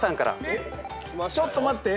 えっちょっと待って。